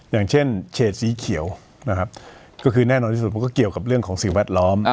อย่างเช่นเฉดสีเขียวนะครับก็คือแน่นอนที่สุดมันก็เกี่ยวกับเรื่องของสิ่งแวดล้อม